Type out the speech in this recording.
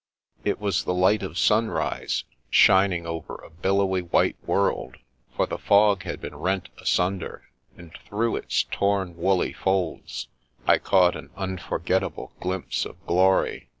It was the light of sunrise, shining over a billowy white world, for the fog had been rent asunder, and through its torn, woolly folds, I caught an unfor gettable glimpse of glory.